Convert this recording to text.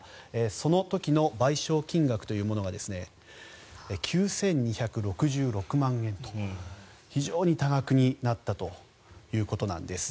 その時の賠償金額というものが９２６６万円と非常に多額になったということなんです。